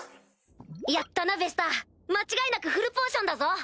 やったなベスター間違いなくフルポーションだぞ！